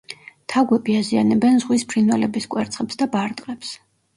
თაგვები აზიანებენ ზღვის ფრინველების კვერცხებს და ბარტყებს.